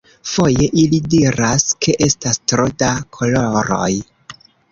Foje, ili diras ke estas tro da koloroj.